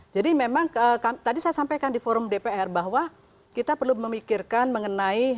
jadi memang tadi saya sampaikan di forum dpr bahwa kita perlu memikirkan mengenai